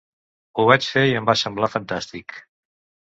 Ho vaig fer i em va semblar fantàstic.